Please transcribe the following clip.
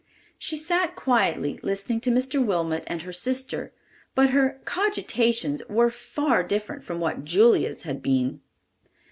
She sat quietly listening to Mr. Wilmot and her sister, but her cogitations were far different from what Julia's had been.